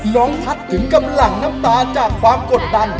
น้องพัฒน์ถึงกำลังหลั่งน้ำตาจากความกดดัน